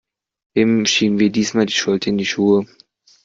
Wem schieben wir diesmal die Schuld in die Schuhe?